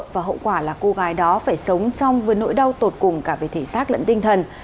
và hậu quả là cô gái đó phải sống trong với nỗi đau tột cùng cả về thể xác lẫn tinh thần